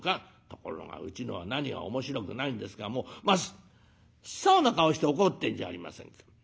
ところがうちのは何が面白くないんですかもう真っ青な顔して怒ってんじゃありませんか。